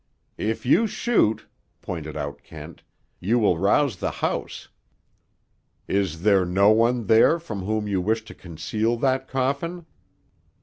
"If you shoot," pointed out Kent, "you will rouse the house. Is there no one there from whom you wish to conceal that coffin?"